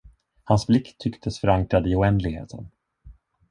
Hans blick tycktes förankrad i oändligheten.